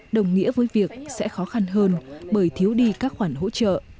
đồng nghĩa với việc sẽ khó khăn hơn bởi thiếu đi các khoản hỗ trợ